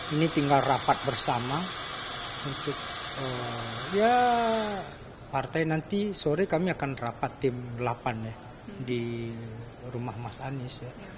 ini tinggal rapat bersama untuk ya partai nanti sore kami akan rapat tim delapan ya di rumah mas anies ya